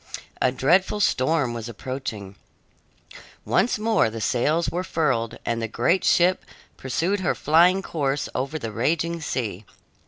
A dreadful storm was approaching. Once more the sails were furled, and the great ship pursued her flying course over the raging sea.